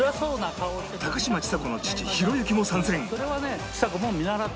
高嶋ちさ子の父弘之も参戦